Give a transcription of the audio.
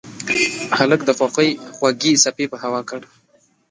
هلک د خوښۍ خوږې څپې په هوا کړ.